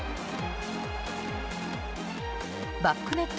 バックネット